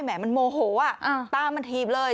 แหมมันโมโหอ่ะตามมันถีบเลย